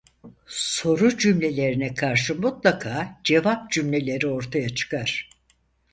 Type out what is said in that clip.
Soru cümlelerine karşı mutlaka cevap cümleleri ortaya çıkar.